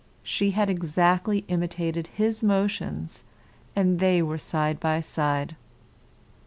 She had exactly imitated his motions, and they were side by side.